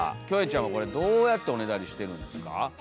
キョエちゃんはこれどうやっておねだりしてるんですか？